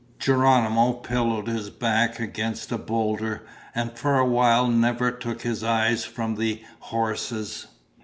Geronimo pillowed his back against a boulder and for a while never took his eyes from the horses.